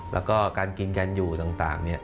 และการกินแกนอยู่ต่าง